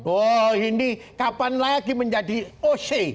oh ini kapan lagi menjadi oc